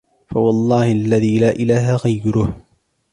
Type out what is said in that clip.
فَوَاللهِ الَّذِي لاَ إِلَهَ غَيْرُهُ،